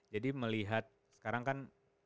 jadi melihat sekarang kan